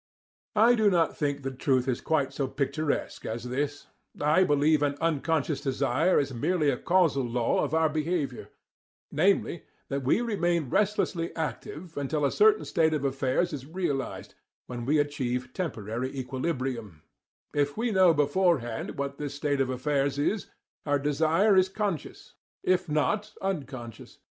I do not think the truth is quite so picturesque as this. I believe an "unconscious" desire is merely a causal law of our behaviour,* namely, that we remain restlessly active until a certain state of affairs is realized, when we achieve temporary equilibrium If we know beforehand what this state of affairs is, our desire is conscious; if not, unconscious.